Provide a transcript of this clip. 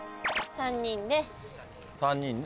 ３人で。